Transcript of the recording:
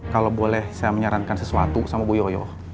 kalau boleh saya menyarankan sesuatu sama bu yoyo